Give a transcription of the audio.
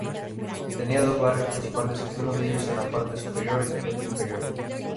Tenía dos barrios principales, uno de ellos en la parte superior y otro inferior.